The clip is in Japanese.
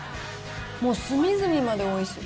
もう隅々までおいしい。